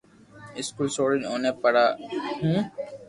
اسڪول سوڙين اوني پڙاوُ ھون